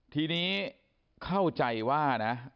ทีนี้เข้าใจว่านะ